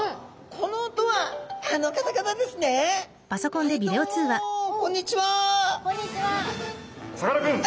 こんにちは！